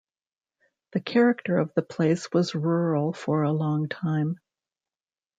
The character of the place was rural for a long time.